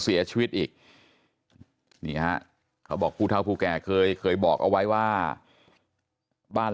เสียชีวิตอีกนี่ฮะเขาบอกผู้เท่าผู้แก่เคยเคยบอกเอาไว้ว่าบ้าน